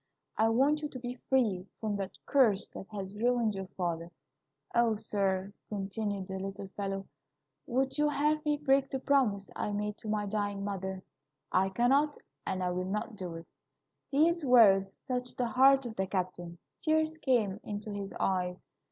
I want you to be free from that curse that has ruined your father,' O, sir," continued the little fellow, "would you have me break the promise I made to my dying mother? I cannot, and I will not do it." These words touched the heart of the captain. Tears came into his eyes.